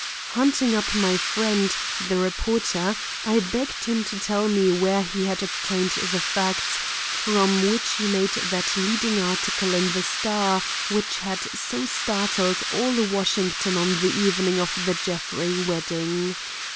Hunting up my friend, the reporter, I begged him to tell me where he had obtained the facts from which he made that leading article in the Star which had so startled all Washington on the evening of the Jeffrey wedding.